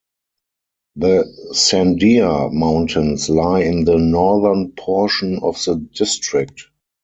The Sandia Mountains lie in the northern portion of the District.